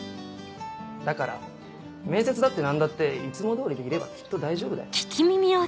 だから面接だって何だっていつも通りでいればきっと大丈夫だよ。